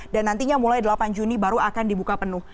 dan nantinya mulai delapan juni baru akan dibuka penuh